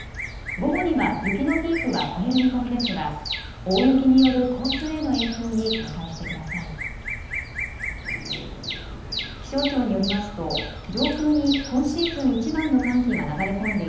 午後には雪のピークは越える見込みですが大雪による交通への影響に警戒してください。